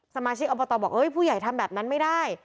สมาชิกอบตบอกผู้ใหญ่ทำแบบนั้นไม่ได้